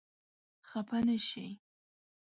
خپه نه شې؟